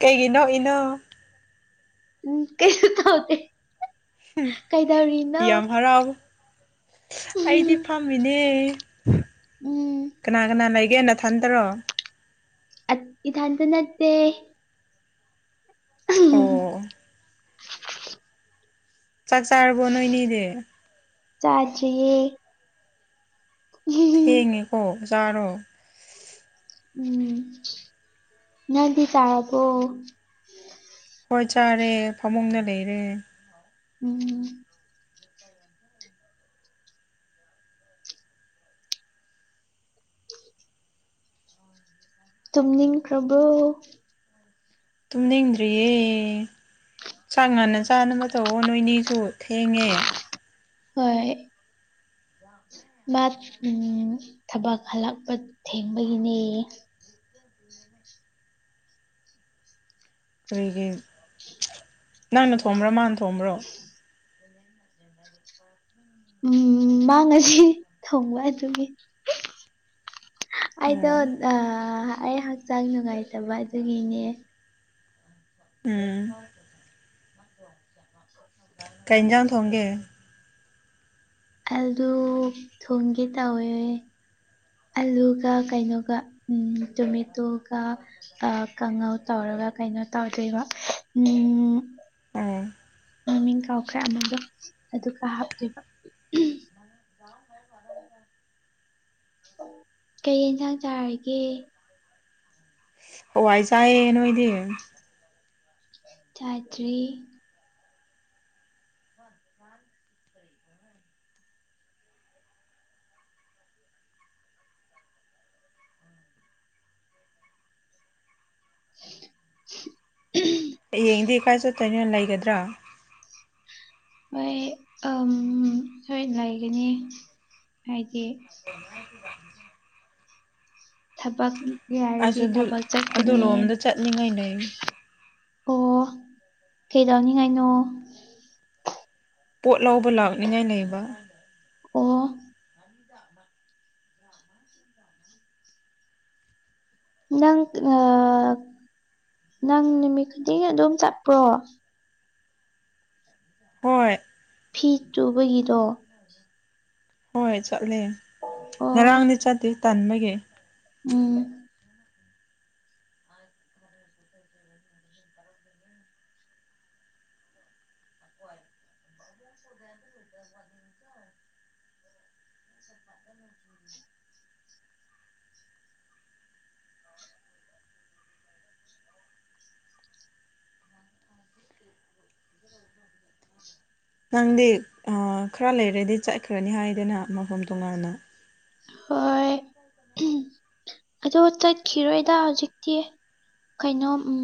ꯀꯩꯒꯤ ꯅꯣꯛꯏꯅꯣ ꯎꯝ ꯀꯩꯁꯨ ꯇꯧꯗꯦ ꯍꯨꯝ ꯀꯩꯗꯧꯔꯤꯅꯣ ꯌꯥꯝ ꯍꯔꯥꯎꯋꯤ ꯑꯩꯗꯤ ꯐꯝꯃꯤꯅꯦ ꯎꯝ ꯀꯅꯥ ꯀꯅꯥ ꯂꯩꯒꯦ ꯅ ꯊꯟꯗꯔꯣ ꯑꯠ ꯏꯊꯟꯇ ꯅꯠꯇꯦ ꯑꯣ ꯑꯣ ꯆꯥꯛ ꯆꯥꯔꯕꯣ ꯅꯣꯏꯅꯤꯗꯤ ꯆꯥꯗ꯭ꯔꯤꯌꯦ ꯌꯦ ꯊꯦꯡꯉꯦꯀꯣ ꯖꯥꯔꯣ ꯎꯝ ꯅꯪꯗꯤ ꯆꯥꯔꯕꯣ ꯍꯣꯏꯠ ꯆꯥꯔꯦ ꯐꯃꯨꯡꯗ ꯂꯩꯔꯦ ꯎꯝ ꯇꯨꯝꯅꯤꯡꯈ꯭ꯔꯕꯣ ꯇꯨꯝꯅꯤꯡꯗ꯭ꯔꯤꯌꯦ ꯆꯥꯛ ꯉꯟꯅ ꯆꯥꯅꯕ ꯇꯧꯑꯣ ꯅꯣꯏꯅꯤꯁꯨ ꯊꯦꯡꯉꯦ ꯍꯣꯏ ꯃꯥꯠ ꯎꯝ ꯊꯕꯛ ꯍꯜꯂꯛꯄ ꯊꯦꯡꯕꯒꯤꯅꯦꯌꯦ ꯀꯔꯤꯒꯤ ꯅꯪꯅ ꯊꯣꯡꯕ꯭ꯔ ꯃꯥꯅ ꯊꯣꯡꯕ꯭ꯔꯣ [inaudible] [inaudible] ꯎꯝ ꯃꯥ ꯉꯁꯤ ꯊꯣꯡꯕ ꯑꯗꯨꯒꯤ ꯑꯩꯗꯣ ꯑꯣ ꯑꯥ ꯑꯩ ꯍꯛꯆꯥꯡ ꯅꯨꯡꯉꯥꯏꯇꯕ ꯑꯗꯨꯒꯤꯅꯦ ꯎꯝ ꯀꯩ ꯏꯟꯖꯥꯡ ꯊꯣꯡꯒꯦ ꯑꯂꯨ ꯊꯣꯡꯒꯦ ꯇꯧꯋꯦ ꯑꯂꯨꯒ ꯀꯩꯅꯣꯒ ꯎꯝ ꯇꯣꯃꯦꯇꯣꯒ ꯑ ꯀꯥꯡꯉꯧ ꯇꯧꯔꯒ ꯀꯩꯅꯣ ꯇꯧꯗꯣꯏꯕ ꯎꯝ ꯑꯣ ꯃꯃꯤꯡ ꯀꯥꯎꯈ꯭ꯔꯦ ꯑꯃꯗꯣ ꯑꯗꯨꯒ ꯍꯥꯞꯇꯣꯏꯕ ꯀꯩ ꯌꯦꯟꯁꯥꯡ ꯆꯥꯔꯒꯦ ꯍꯋꯥꯏ ꯆꯥꯏꯌꯦ ꯅꯣꯏꯗꯤ ꯆꯥꯗ꯭ꯔꯤ [inaudible] [inaudible] [inaudible] ꯍꯌꯦꯡꯗꯤ ꯀꯥꯏ ꯆꯠ ꯇꯣꯏꯅꯣ ꯂꯩꯒꯗ꯭ꯔꯥ ꯍꯣꯢ ꯑꯝ ꯍꯣꯢ ꯂꯩꯒꯅꯤ ꯍꯥꯢꯗꯤ ꯊꯕꯛ ꯌꯥꯢꯔꯗꯤ ꯑꯁ ꯑꯗꯨ ꯊꯕꯛ ꯑꯗꯨ ꯆꯠꯀꯅꯤ ꯂꯣꯝꯗ ꯆꯠꯅꯤꯡꯉꯥꯏ ꯂꯩ ꯑꯣ ꯀꯩꯗꯧꯅꯤꯡꯉꯥꯢꯅꯣ ꯄꯣꯠ ꯂꯧꯕ ꯂꯥꯛꯅꯤꯉꯥꯢ ꯂꯩꯕꯥ ꯑꯣ [inaudible] ꯅꯪ ꯑ ꯅꯪ ꯅꯨꯃꯤꯠ ꯈꯨꯗꯤꯡꯒꯤ ꯑꯗꯨꯝ ꯆꯠꯄ꯭ꯔꯣ ꯍꯣꯢ ꯐꯤ ꯇꯨꯕꯒꯤꯗꯣ ꯍꯣꯢ ꯆꯠꯂꯦ ꯑꯣ ꯉꯔꯥꯡꯗꯤ ꯆꯠꯇꯦ ꯇꯟꯕꯒꯤ ꯎꯝ [inaudible] [unintelligible] [unintelligible] ꯅꯪꯗꯤ ꯑ ꯈꯔ ꯂꯩꯔꯗꯤ ꯆꯠꯈ꯭ꯔꯅꯤ ꯍꯥꯢꯗꯅ ꯃꯐꯝ ꯇꯣꯉꯥꯟꯅ ꯍꯣꯢ ꯑꯗꯣ ꯆꯠꯈꯤꯔꯣꯢꯗ ꯍꯧꯖꯤꯛꯇꯤ ꯀꯩꯅꯣ ꯎꯝ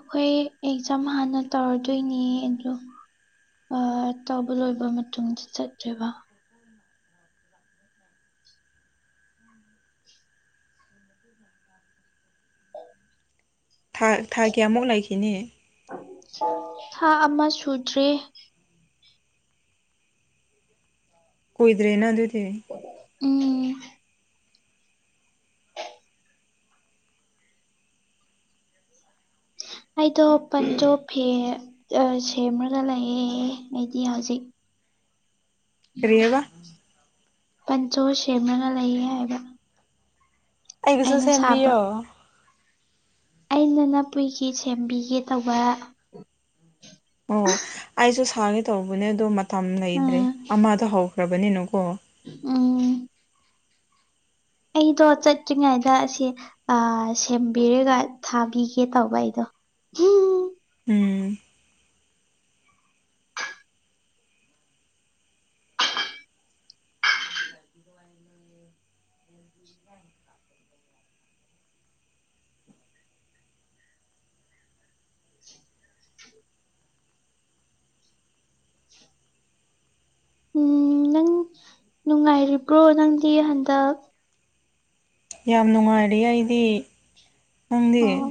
ꯑꯈꯣꯢ ꯑꯦꯛꯖꯥꯝ ꯍꯥꯟꯅ ꯇꯧꯔꯗꯣꯢꯅꯦ ꯑꯗꯣ ꯑꯥ ꯇꯧꯕ ꯂꯣꯢꯕ ꯃꯇꯨꯡꯗ ꯆꯠꯇꯣꯢꯕ [inaudible] ꯊꯥ ꯊꯥ ꯀꯌꯥꯃꯨꯛ ꯂꯩꯈꯤꯅꯤ ꯊꯥ ꯑꯃ ꯁꯨꯗ꯭ꯔꯤ ꯀꯨꯢꯗ꯭ꯔꯦꯅ ꯑꯗꯨꯗꯤ ꯎꯝ ꯑꯩꯗꯣ ꯄꯟꯖꯣ ꯐꯦ ꯑ ꯁꯦꯝꯔꯒ ꯂꯩꯌꯦ ꯑꯩꯗꯤ ꯍꯧꯖꯤꯛ ꯀꯔꯤꯑꯕ ꯄꯟꯆꯣ ꯁꯦꯝꯔꯒ ꯂꯩꯌꯦ ꯍꯥꯢꯕ ꯑꯩꯒꯁꯨ ꯁꯥꯕ ꯁꯦꯝꯕꯤꯌꯣ ꯑꯩꯅ ꯅꯄꯨꯢꯒꯤ ꯁꯦꯝꯕꯤꯒꯦ ꯇꯧꯕ ꯑꯣ ꯑꯩꯁꯨ ꯁꯥꯒꯦ ꯇꯧꯕꯅꯦ ꯑꯗꯣ ꯃꯇꯝ ꯂꯩꯗ꯭ꯔꯦ ꯎꯝ ꯑꯃꯗ ꯍꯧꯈ꯭ꯔꯕꯅꯤꯅꯀꯣ ꯎꯝ ꯑꯩꯗꯣ ꯆꯠꯇ꯭ꯔꯤꯉꯥꯢꯗ ꯑꯁꯤ ꯑꯥ ꯁꯦꯝꯕꯤꯔꯒ ꯊꯥꯕꯤꯒꯦ ꯇꯧꯕ ꯑꯩꯗꯣ ꯍꯨꯝ ꯎꯝ [inaudible] [inaudible] ꯎꯝ ꯅꯪ ꯅꯨꯡꯉꯥꯢꯔꯤꯕ꯭ꯔꯣ ꯅꯪꯗꯤ ꯍꯟꯗꯛ ꯌꯥꯝ ꯅꯨꯡꯉꯥꯢꯔꯤꯌꯦ ꯑꯩꯗꯤ ꯅꯪꯗꯤ ꯑꯣ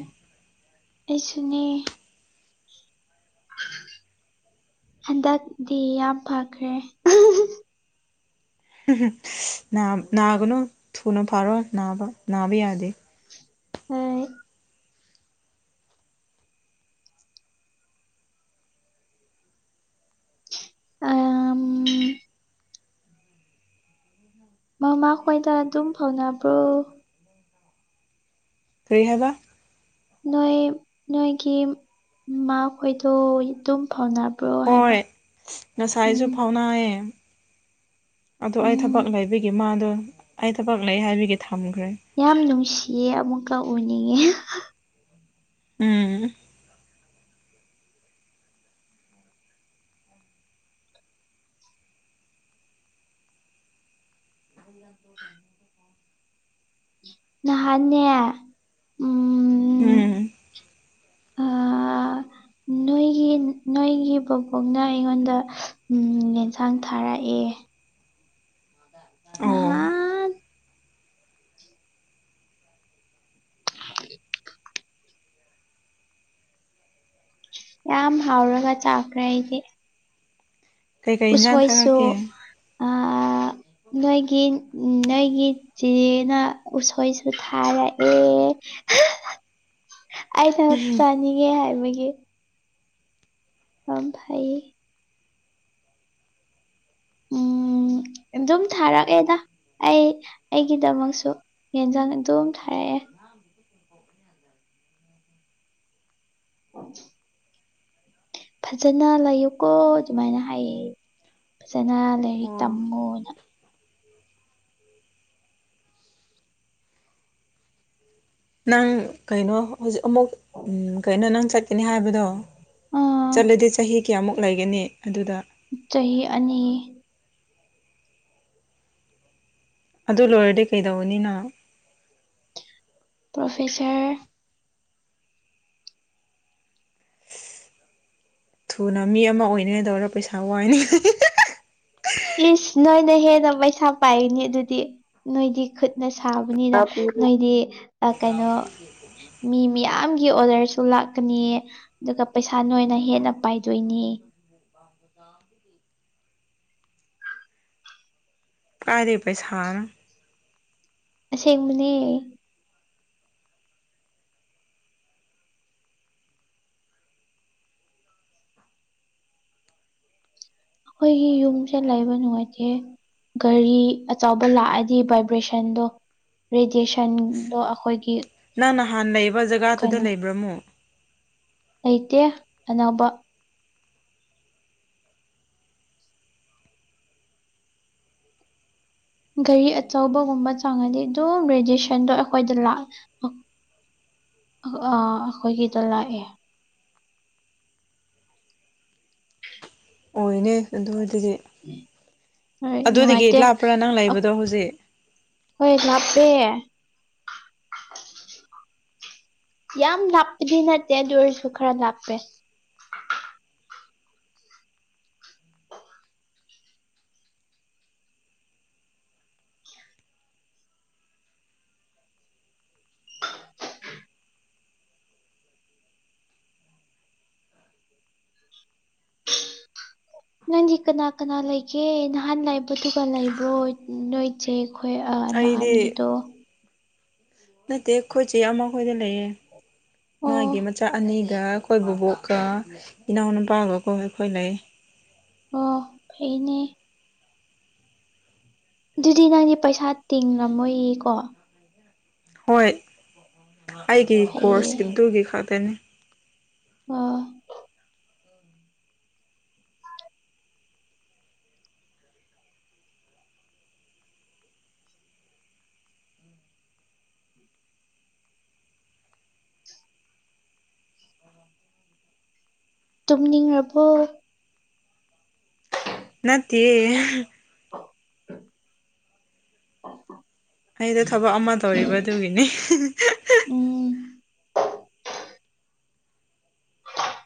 ꯑꯩꯁꯨꯅꯦ ꯍꯟꯗꯛꯗꯤ ꯌꯥꯝ ꯐꯈ꯭ꯔꯦ ꯑꯍ ꯍ ꯍꯨꯝ ꯍꯨꯝ ꯏꯁ ꯅꯥ ꯅꯥꯒꯅꯨ ꯊꯨꯅ ꯐꯔꯣ ꯅꯥꯕ ꯅꯥꯕ ꯌꯥꯗꯦ [unintelligible] ꯑꯝ ꯃꯃꯥ ꯈꯣꯢꯗ ꯑꯗꯨꯝ ꯐꯥꯎꯅꯕ꯭ꯔꯣ ꯀꯔꯤ ꯍꯥꯢꯕꯥ ꯅꯣꯏꯞ ꯅꯣꯏꯒꯤꯝ ꯃꯥꯈꯣꯏꯗꯣ ꯗꯨꯝ ꯐꯥꯎꯅꯕ꯭ꯔꯣ ꯍꯥꯏꯕ ꯍꯣꯏ ꯉꯁꯥꯏꯖꯨ ꯎꯝ ꯐꯥꯎꯅꯌꯦ ꯑꯗꯣ ꯑꯩ ꯎꯝ ꯊꯕꯛ ꯂꯩꯕꯒꯤ ꯃꯥꯗꯣ ꯑꯩ ꯊꯕꯛ ꯂꯩ ꯍꯥꯏꯕꯒꯤ ꯊꯝꯒ꯭ꯔꯦ ꯌꯥꯝ ꯅꯨꯡꯁꯤꯌꯦ ꯑꯃꯨꯛꯀ ꯎꯅꯤꯡꯉꯦ ꯎꯝ [unintelligible] ꯅꯍꯥꯟꯅꯦ ꯎꯝ ꯎꯝ ꯑꯥ ꯅꯣꯏ ꯒꯤ ꯅꯣꯏꯒꯤ ꯕꯣꯕꯣꯛꯅ ꯑꯩꯉꯣꯟꯗ ꯎꯝ ꯌꯦꯟꯁꯥꯡ ꯊꯥꯔꯑꯦ ꯑꯣ ꯅꯍꯥꯟ ꯌꯥꯝ ꯍꯥꯎꯔꯒ ꯆꯥꯈ꯭ꯔꯦ ꯑꯩꯗꯤ ꯀꯩꯀꯩ ꯏꯟꯁꯥꯡ ꯎꯁꯣꯏꯁꯨ ꯊꯥꯔꯛꯀꯦ ꯑꯥ ꯅꯣꯏꯒꯤꯟ ꯅꯣꯏꯒꯤꯠ ꯆꯦꯅ ꯎꯁꯣꯏꯁꯨ ꯊꯥꯔꯑꯦ ꯑꯩ ꯊꯠ ꯆꯥꯅꯤꯉꯦ ꯍꯥꯏꯕꯒꯤ ꯌꯥꯝ ꯐꯩ ꯎꯝ ꯑꯗꯨꯝ ꯊꯥꯔꯛꯑꯦꯗꯥ ꯑꯩ ꯑꯩꯒꯤꯗꯃꯛꯁꯨ ꯌꯦꯟꯖꯥꯡ ꯑꯗꯨꯝ ꯊꯥꯔꯑꯦ [unintelligible] ꯐꯖꯅ ꯂꯩꯌꯨꯀꯣ ꯗꯨꯃꯥꯏꯅ ꯍꯥꯏꯌꯦ ꯐꯖꯅ ꯂꯥꯏꯔꯤꯛ ꯇꯝꯃꯣꯅ ꯅꯪ ꯀꯩꯅꯣ ꯍꯧꯖꯤꯛ ꯑꯃꯨꯛ ꯎꯝ ꯀꯩꯅꯣ ꯅꯪ ꯆꯠꯀꯅꯤ ꯍꯥꯏꯕꯗꯣ ꯑꯥ ꯆꯠꯂꯗꯤ ꯆꯍꯤ ꯀꯌꯥꯃꯨꯛ ꯂꯩꯒꯅꯤ ꯑꯗꯨꯗ ꯆꯍꯤ ꯑꯅꯤ ꯑꯗꯨ ꯂꯣꯏꯔꯗꯤ ꯀꯩꯗꯧꯒꯅꯤꯅ ꯄ꯭ꯔꯣꯐꯦꯁꯔ ꯊꯨꯅ ꯃꯤ ꯑꯃ ꯑꯣꯏꯅꯤꯉꯥꯏ ꯗꯧꯔꯣ ꯄꯩꯁꯥ ꯋꯥꯏꯅꯦ ꯏꯁ ꯅꯣꯏꯅ ꯍꯦꯟꯅ ꯄꯩꯁꯥ ꯄꯥꯏꯒꯅꯤ ꯑꯗꯨꯗꯤ ꯅꯣꯏꯗꯤ ꯈꯨꯠꯅ ꯁꯥꯕꯅꯤꯅ ꯅꯣꯏꯗꯤ ꯑ ꯀꯩꯅꯣ ꯃꯤ ꯃꯤꯌꯥꯝꯒꯤ ꯑꯣꯗꯔꯁꯨ ꯂꯥꯛꯀꯅꯤ ꯗꯨꯒ ꯄꯩꯁꯥ ꯅꯣꯏꯅ ꯍꯦꯟꯅ ꯄꯥꯏꯗꯣꯏꯅꯤ [unintelligible] ꯀꯥꯏꯗꯩ ꯄꯩꯁꯥꯅꯣ ꯑꯁꯦꯡꯕꯅꯦ ꯈꯣꯏꯒꯤ ꯌꯨꯝꯁꯦ ꯂꯩꯕ ꯅꯨꯉꯥꯏꯇꯦ ꯒꯔꯤ ꯑꯆꯥꯎꯕ ꯂꯥꯑꯗꯤ ꯚꯥꯏꯕ꯭ꯔꯦꯁꯟꯗꯣ ꯔꯦꯗꯤꯌꯦꯁꯟꯗꯣ ꯑꯈꯣꯏꯒꯤ ꯅꯪ ꯅꯍꯥꯟ ꯂꯩꯕ ꯖꯒꯥꯗꯨꯗ ꯂꯩꯕ꯭ꯔ ꯃꯨꯛ ꯂꯩꯇꯦ ꯑꯅꯧꯕ ꯒꯔꯤ ꯑꯆꯧꯕꯒꯨꯝꯕ ꯆꯪꯉꯗꯤ ꯑꯗꯨꯝ ꯔꯦꯗꯤꯌꯦꯁꯟꯗꯣ ꯑꯩꯈꯣꯏꯗ ꯂꯥꯛ ꯑꯈ ꯑꯥ ꯑꯈꯣꯏꯒꯤꯗ ꯂꯥꯑꯦ ꯑꯣꯏꯅꯦ ꯑꯗꯨꯗꯗꯤ ꯍꯣꯏ ꯑꯗꯨꯗꯒꯤ ꯅꯨꯡꯉꯥꯏꯇꯦ ꯂꯥꯞꯄ꯭ꯔ ꯅꯪ ꯂꯩꯕꯗꯣ ꯍꯨꯖꯤꯛ ꯍꯣꯏ ꯂꯥꯞꯄꯦ ꯌꯥꯝ ꯂꯥꯞꯄꯗꯤ ꯅꯠꯇꯦ ꯑꯗꯨ ꯑꯣꯏꯔꯁꯨ ꯈꯔ ꯂꯥꯞꯄꯦ ꯅꯪꯗꯤ ꯀꯅꯥ ꯀꯅꯥ ꯂꯩꯒꯦ ꯅꯍꯥꯟ ꯂꯩꯕꯗꯨꯒ ꯂꯩꯕ꯭ꯔꯣꯏꯠ ꯅꯣꯏꯠ ꯆꯦ ꯈꯣꯏ ꯑ ꯑꯩꯗꯤ ꯅꯍꯥꯟꯒꯤꯗꯣ ꯅꯠꯇꯦ ꯈꯣꯏ ꯆꯦ ꯑꯃꯈꯣꯏꯗ ꯂꯩꯌꯦ ꯑꯣ ꯃꯥꯒꯤ ꯃꯆꯥ ꯑꯅꯤ ꯒ ꯈꯣꯏ ꯕꯣꯕꯣꯛꯀ ꯏꯅꯥꯎꯅꯨꯄꯥꯒꯀꯣ ꯑꯩꯈꯣꯏ ꯂꯩ ꯑꯣ ꯐꯩꯅꯦ ꯗꯨꯗꯤ ꯅꯪꯗꯤ ꯄꯩꯁꯥ ꯇꯤꯡꯂꯝꯃꯣꯏꯌꯦ ꯀꯣ ꯍꯣꯏ ꯑꯩꯒꯤ ꯐꯩꯌꯦ ꯀꯣꯔꯁ ꯑꯗꯨꯒꯤ ꯈꯛꯇꯅꯤ ꯑꯥ ꯇꯨꯝꯅꯤꯡꯉꯕꯣ ꯅꯠꯇꯦꯌꯦ ꯑꯩꯗꯣ ꯊꯕꯛ ꯑꯃ ꯇꯧꯔꯤꯕ ꯑꯗꯨꯒꯤꯅꯦ ꯎꯝ꯫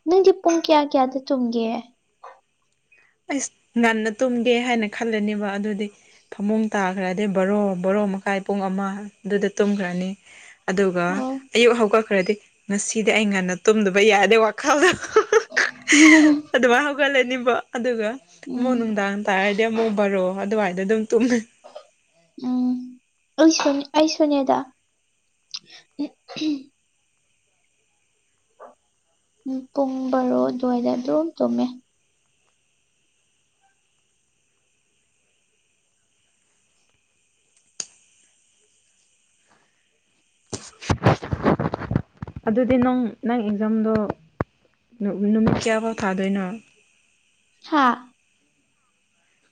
ꯅꯪꯗꯤ ꯄꯨꯡ ꯀꯌꯥ ꯀꯌꯥꯗ ꯇꯨꯝꯒꯦ ꯑꯩꯁ ꯉꯟꯅ ꯇꯨꯝꯒꯦ ꯍꯥꯏꯅ ꯈꯜꯂꯅꯦꯕ ꯑꯗꯨꯗꯤ ꯐꯝꯃꯨꯡ ꯇꯥꯈ꯭ꯔꯥꯗꯤ ꯕꯔꯣ ꯕꯔꯣ ꯃꯈꯥꯏ ꯄꯨꯡ ꯑꯃ ꯑꯗꯨꯗ ꯇꯨꯝꯈ꯭ꯔꯥꯅꯤ ꯑꯗꯨꯒ ꯑꯣ ꯑꯌꯨꯛ ꯍꯧꯒꯠꯈ꯭ꯔꯥꯗꯤ ꯉꯁꯤꯗꯤ ꯑꯩ ꯉꯟꯅ ꯇꯨꯝꯗꯕ ꯌꯥꯗꯦ ꯋꯥꯛ ꯈꯜꯗ ꯑꯗꯨꯃꯥꯏ ꯍꯧꯒꯠꯂꯅꯤꯕ ꯑꯗꯨꯒ ꯑꯃꯨꯛ ꯎꯝ ꯅꯨꯡꯗꯥꯡ ꯇꯥꯔꯗꯤ ꯑꯃꯨꯛ ꯕꯔꯣ ꯑꯗꯨꯋꯥꯏꯗ ꯑꯗꯨꯝ ꯇꯨꯝꯃꯦ ꯎꯝ ꯑꯩꯁꯨꯅꯤ ꯑꯩꯁꯨꯅꯦꯗ ꯄꯨꯡ ꯕꯔꯣ ꯑꯗꯨꯋꯥꯏꯗ ꯑꯗꯨꯝ ꯇꯨꯝꯃꯦ ꯑꯗꯨꯗꯤ ꯅꯪ ꯅꯪ ꯑꯦꯛꯖꯥꯝꯗꯣ ꯅꯨꯃꯤꯠ ꯀꯌꯥꯐꯥꯎ ꯊꯥꯗꯣꯏꯅꯣ ꯍꯥꯥ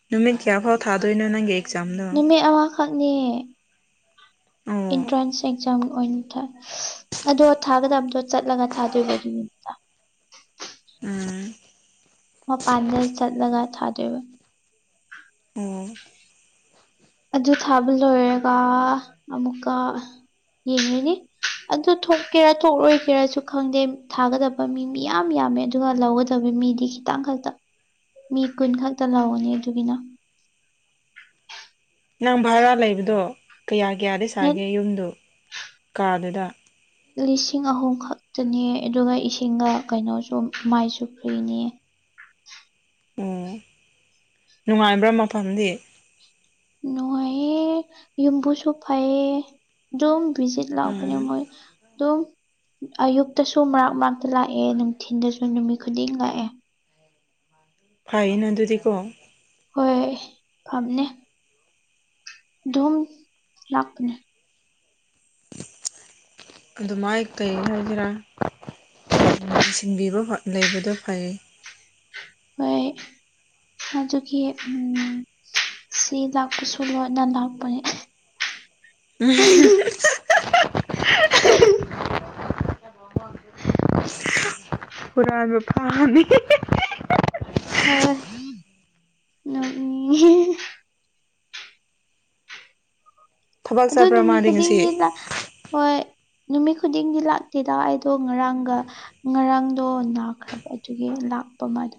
ꯅꯨꯃꯤꯠ ꯀꯌꯥ ꯐꯥꯎ ꯊꯥꯗꯣꯏꯅꯣ ꯅꯪꯒꯤ ꯑꯦꯛꯖꯥꯝꯗꯣ ꯅꯨꯃꯤꯠ ꯑꯃꯈꯛꯅꯤ ꯑꯣ ꯑꯦꯟꯇ꯭ꯔꯥꯟꯁ ꯑꯦꯛꯖꯥꯝ ꯑꯣꯏꯅ ꯊꯥꯏ ꯑꯗꯣ ꯊꯥꯒꯗꯕꯗꯣ ꯆꯠꯂꯒ ꯊꯥꯗꯣꯏꯕ ꯑꯗꯨ ꯅꯨꯃꯤꯠꯇ ꯎꯝ꯫ ꯃꯄꯥꯟꯗ ꯆꯠꯂꯒ ꯊꯥꯗꯣꯏꯕ ꯎꯝ꯫ ꯑꯗꯨ ꯊꯥꯕ ꯂꯣꯏꯔꯒ ꯑꯃꯨꯛꯀ ꯌꯦꯡꯉꯅꯤ ꯑꯗꯨ ꯊꯣꯛꯀꯦꯔꯥ ꯊꯣꯛꯂꯣꯏꯒꯦꯔꯥꯁꯨ ꯈꯪꯗꯦ ꯊꯥꯒꯗꯕ ꯃꯤ ꯃꯤ ꯌꯥꯝ ꯌꯥꯝꯃꯦ ꯑꯗꯨꯒ ꯂꯧꯒꯗꯕ ꯃꯤꯗꯤ ꯈꯤꯇꯪ ꯈꯛꯇ ꯃꯤ ꯀꯨꯟ ꯈꯛꯇ ꯂꯧꯑꯦ ꯑꯗꯨꯒꯤꯅ ꯅꯪ ꯚꯔꯥ ꯂꯩꯕꯗꯣ ꯀꯌꯥ ꯀꯌꯥꯗ ꯅꯠ ꯁꯥꯒꯦ ꯌꯨꯝꯗꯨ ꯀꯥꯗꯨꯗ ꯂꯤꯁꯤꯡ ꯑꯍꯨꯝ ꯈꯛꯇꯅꯤ ꯑꯗꯨꯒ ꯏꯁꯤꯡꯒ ꯀꯩꯅꯣꯁꯨ ꯃꯩꯁꯨ ꯐ꯭ꯔꯤꯅꯤ ꯎꯝ ꯅꯨꯡꯉꯥꯏꯕ꯭ꯔꯥ ꯃꯐꯝꯗꯤ ꯅꯨꯡꯉꯥꯏꯌꯦ ꯌꯨꯝꯕꯨꯁꯨ ꯐꯩꯌꯦ ꯑꯗꯨꯝ ꯚꯤꯖꯤꯠ ꯂꯥꯛꯄꯅꯦ ꯎꯝ ꯃꯣꯏ ꯑꯗꯨꯝ ꯑꯌꯨꯛꯇꯁꯨ ꯃꯔꯛ ꯃꯔꯛꯇ ꯂꯥꯛꯑꯦ ꯅꯨꯡꯊꯤꯟꯗꯁꯨ ꯅꯨꯃꯤꯠ ꯈꯨꯗꯤꯡ ꯂꯥꯛꯑꯦ ꯐꯩꯩꯅ ꯑꯗꯨꯗꯤꯀꯣ ꯍꯣꯏ ꯐꯥꯕꯅꯦ ꯗꯨꯝ ꯂꯥꯛꯄꯅꯦ ꯑꯗꯨꯃꯥꯏ ꯀꯩ ꯍꯥꯏꯒꯦꯔꯥ ꯁꯤꯟꯕꯤꯕ ꯐꯥ ꯂꯩꯕꯗꯣ ꯐꯩ ꯍꯣꯏ ꯑꯗꯨꯒꯤ ꯎꯝ ꯁꯤ ꯂꯥꯛꯄꯁꯨ ꯂꯣꯏꯅ ꯂꯥꯛꯄꯅꯦ [inaudible] ꯍꯨꯔꯥꯟꯕ ꯐꯥꯅꯤ ꯍꯣꯏ ꯅꯣꯛꯅꯤꯡꯉꯦ ꯊꯕꯛ ꯑꯗꯨ ꯆꯠꯄ꯭ꯔꯥ ꯅꯨꯃꯤꯠ ꯃꯥꯗꯤ ꯉꯁꯤ ꯈꯨꯗꯤꯡꯅꯤꯗ ꯍꯣꯏ ꯅꯨꯃꯤꯠ ꯈꯨꯗꯤꯡꯗꯤ ꯂꯥꯛꯇꯦꯗ ꯑꯩꯗꯣ ꯉꯔꯥꯡꯒ ꯉꯔꯥꯡꯗꯣ ꯅꯥꯈ꯭ꯔꯕ ꯑꯗꯨꯒꯤ ꯂꯥꯛꯄ ꯑꯃ ꯑꯗꯨ